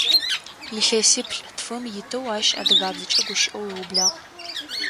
Илъэсиплӏ-тфым итэу ащ адыгабзэкӏэ гущыӏэу ыублагъ.